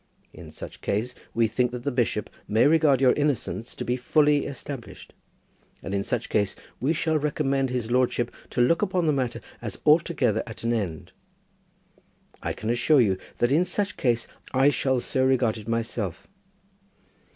In such case we think that the bishop may regard your innocence to be fully established, and in such case we shall recommend his lordship to look upon the matter as altogether at an end. I can assure you that in such case I shall so regard it myself.